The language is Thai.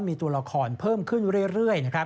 มีตัวละครเพิ่มขึ้นเรื่อย